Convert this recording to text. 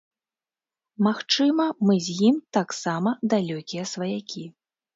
Магчыма, мы з ім таксама далёкія сваякі.